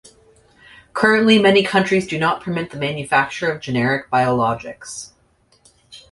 Currently many countries do not permit the manufacture of generic biologics.